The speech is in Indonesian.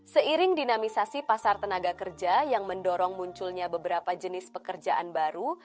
seiring dinamisasi pasar tenaga kerja yang mendorong munculnya beberapa jenis pekerjaan baru